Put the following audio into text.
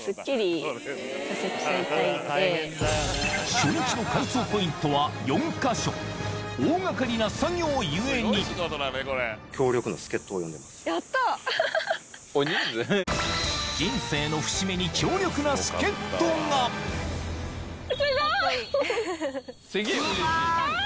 初日の改装ポイントは４か所大掛かりな作業故に人生の節目に強力な助っ人があすごい。